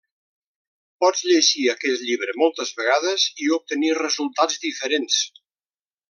Pots llegir aquest llibre moltes vegades i obtenir resultats diferents.